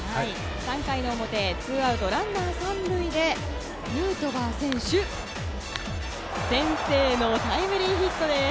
３回の表ツーアウトランナー３塁でヌートバー選手先制のタイムリーヒットです。